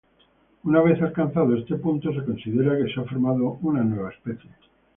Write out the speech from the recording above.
Una vez alcanzado este punto se considera que se ha formado una nueva especie.